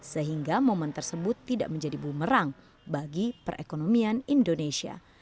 sehingga momen tersebut tidak menjadi bumerang bagi perekonomian indonesia